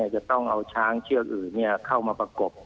จะต้องเอาช้างเชือกอื่นเข้ามาประกบ